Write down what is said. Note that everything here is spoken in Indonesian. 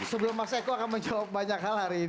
sebelum mas eko akan menjawab banyak hal hari ini